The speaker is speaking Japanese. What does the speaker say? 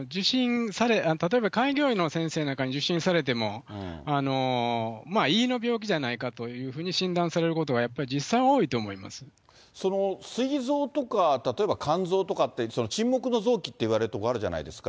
例えば開業医の先生なんかに受診されても、胃の病気じゃないかと診断されることがやっぱり実際多いと思いまそのすい臓とか、例えば肝臓とかって、沈黙の臓器っていわれるところあるじゃないですか。